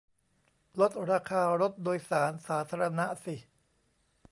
ลดราคารถโดยสารสาธารณะสิ